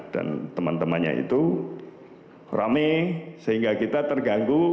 dan teman temannya itu rame sehingga kita terganggu